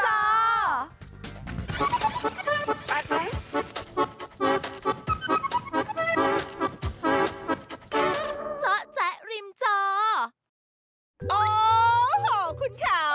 โอ้โหคุณค่ะ